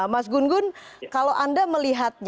mas gun gun kalau anda melihatnya